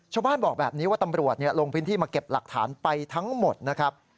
ชาวบ้านบอกแบบนี้ว่าตำรวจลงพื้นที่มาเก็บหลักฐานไปทั้งหมดนะครับ